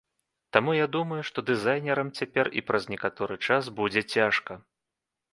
Таму я думаю, што дызайнерам цяпер і праз некаторы час будзе цяжка.